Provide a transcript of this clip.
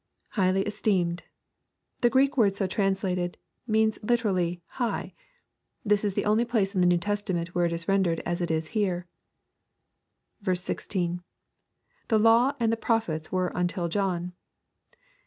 [JSighly esteemed.] The Greek word so translated means liter ally " high." This is the only place in the Kew Testament where it is rendered as it is here. l<). — [The law and the prophets were until John!